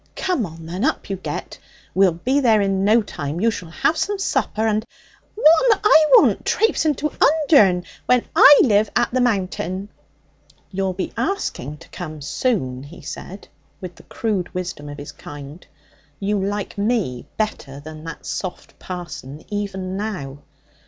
'Come on, then. Up you get. We'll be there in no time. You shall have some supper and ' 'What'n I want trapsing to Undern when I live at the Mountain?' 'You'll be asking to come soon,' he said, with the crude wisdom of his kind. 'You like me better than that soft parson even now.'